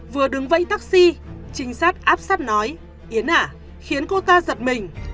vừa đứng vẫy taxi trinh sát áp sắt nói yến à khiến cô ta giật mình